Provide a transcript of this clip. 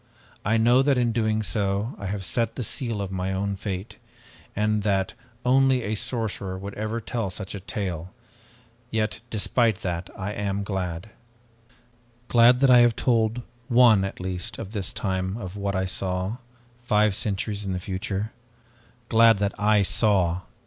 I know that in doing so I have set the seal of my own fate, and that only a sorcerer would ever tell such a tale, yet despite that I am glad. Glad that I have told one at least of this time of what I saw five centuries in the future. Glad that I saw!